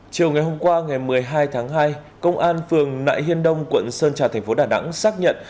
chiều ngày hôm qua ngày một mươi hai tháng hai công an phường nại hiên đông quận sơn trà thành phố đà nẵng xác nhận